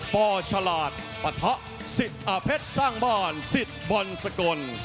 ปฉลาดปสิทธิ์อเผ็ดสร้างบ้านสิทธิ์บรรสกล